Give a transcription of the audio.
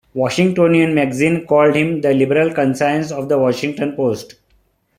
"Washingtonian" magazine called him "the liberal conscience of "The Washington Post".